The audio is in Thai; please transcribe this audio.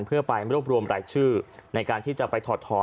เพื่อไปรวบรวมรายชื่อในการที่จะไปถอดถอน